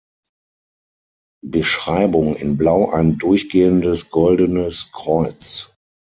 Beschreibung: In Blau ein durchgehendes goldenes Kreuz.